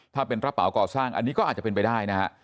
ถ้าเป็นรับเหมาก่อสร้างอันนี้ก็อาจจะเป็นไปได้นะฮะ